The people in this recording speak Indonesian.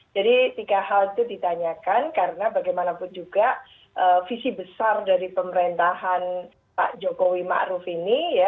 jadi tiga hal itu ditanyakan karena bagaimanapun juga visi besar dari pemerintahan pak jokowi ma'ruf ini ya